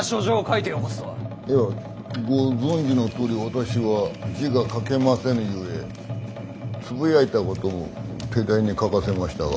いやご存じのとおり私は字が書けませぬゆえつぶやいたことを手代に書かせましたが。